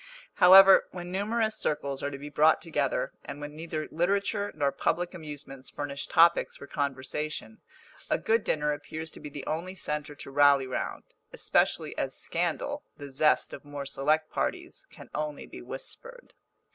However, when numerous circles are to be brought together, and when neither literature nor public amusements furnish topics for conversation, a good dinner appears to be the only centre to rally round, especially as scandal, the zest of more select parties, can only be whispered.